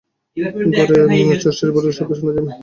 ঘরে ছুঁচটি পড়িলে শব্দ শোনা যায়, এমনি হইল।